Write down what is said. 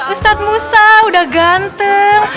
ustadz musa udah ganteng